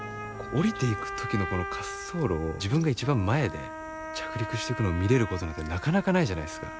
降りていく時のこの滑走路を自分が一番前で着陸してくのを見れることなんてなかなかないじゃないですか。